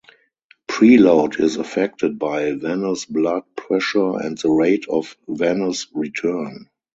Preload is affected by venous blood pressure and the rate of venous return.